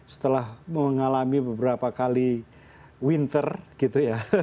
setelah mengalami beberapa kali winter gitu ya